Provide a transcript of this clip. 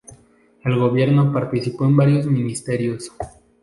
En el gobierno, participó en varios ministerios.